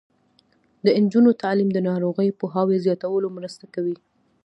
د نجونو تعلیم د ناروغیو پوهاوي زیاتولو مرسته کوي.